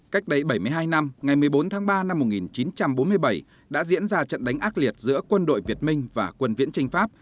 cách đây bảy mươi hai năm ngày một mươi bốn tháng ba năm một nghìn chín trăm bốn mươi bảy đã diễn ra trận đánh ác liệt giữa quân đội việt minh và quân viễn tranh pháp